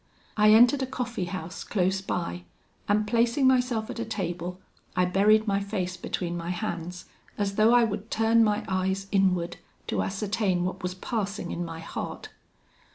I entered a coffee house close by, and placing myself at a table, I buried my face between my hands, as though I would turn my eyes inward to ascertain what was passing in my heart.